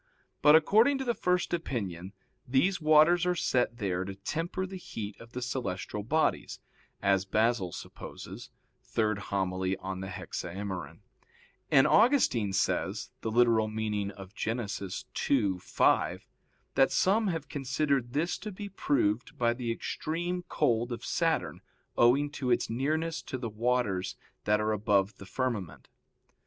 But according to the first opinion these waters are set there to temper the heat of the celestial bodies, as Basil supposes (Hom. iii in Hexaem.). And Augustine says (Gen. ad lit. ii, 5) that some have considered this to be proved by the extreme cold of Saturn owing to its nearness to the waters that are above the firmament.